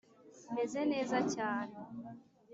meze neza cyane